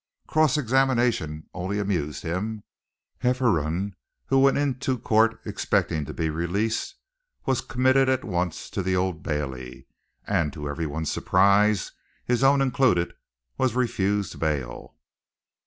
Cross examination only amused him. Hefferom, who went into court expecting to be released, was committed at once to the Old Bailey, and to everyone's surprise, his own included, was refused bail.